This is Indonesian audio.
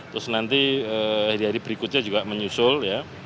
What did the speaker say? terus nanti hari hari berikutnya juga menyusul ya